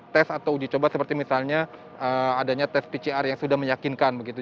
tes atau uji coba seperti misalnya adanya tes pcr yang sudah meyakinkan begitu